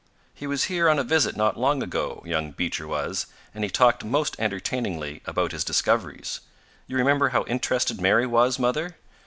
He was here on a visit not long ago, young Beecher was, and he talked most entertainingly about his discoveries. You remember how interested Mary was, Mother?"